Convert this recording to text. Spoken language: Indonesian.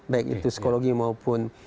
baik itu psikologi maupun